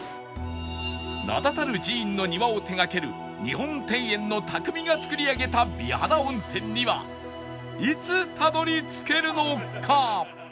名だたる寺院の庭を手がける日本の庭園の匠が造り上げた美肌温泉にはいつたどり着けるのか？